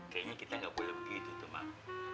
kayaknya kita nggak boleh begitu tuh mak